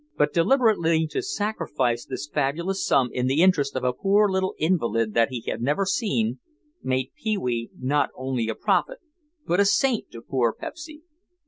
But deliberately to sacrifice this fabulous sum in the interest of a poor little invalid that he had never seen, made Pee wee not only a prophet but a saint to poor Pepsy.